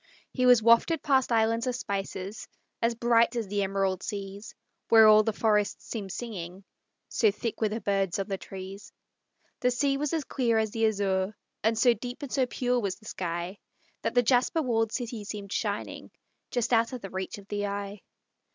He was wafted past islands of spices, As bright as the Emerald seas, Where all the forests seem singing, So thick were the birds on the trees; The sea was as clear as the azure, And so deep and so pure was the sky That the jasper walled city seemed shining Just out of the reach of the eye.